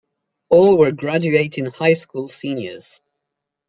All were graduating high school seniors.